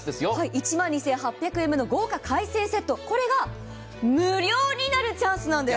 １万２８００円の豪華海鮮セット、これが無料になるチャンスなんです。